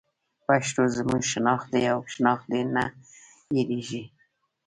پښتو زموږ شناخت دی او شناخت دې نه هېرېږي.